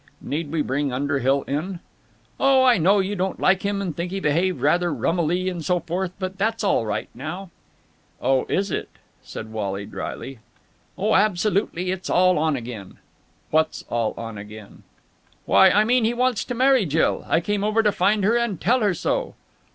"Need we bring Underhill in?" "Oh, I know you don't like him and think he behaved rather rummily and so forth, but that's all right now." "It is, is it?" said Wally drily. "Oh, absolutely. It's all on again." "What's all on again?" "Why, I mean he wants to marry Jill. I came over to find her and tell her so."